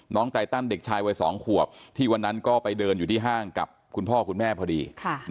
ไตตันเด็กชายวัย๒ขวบที่วันนั้นก็ไปเดินอยู่ที่ห้างกับคุณพ่อคุณแม่พอดี